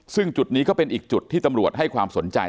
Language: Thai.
ซึ่งจุดนี้ก็เป็นอีกจุดที่ตำรวจให้ความสนใจ